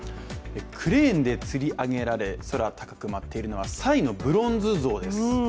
クレーンでつり上げられ、空高く舞っているのはサイのブロンズ像です。